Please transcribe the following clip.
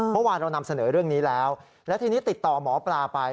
เมื่อวานเรานำเสนอเรื่องนี้แล้วแล้วทีนี้ติดต่อหมอปลาไป